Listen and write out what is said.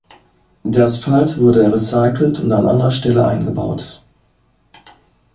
Der Asphalt wurde recycelt und an anderer Stelle eingebaut.